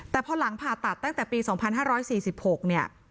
แต่พอหลังผ่าตัดตั้งแต่ปี๒๕๔๖เนี่ย